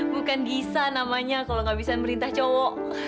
bukan gisa namanya kalau nggak bisa merintah cowok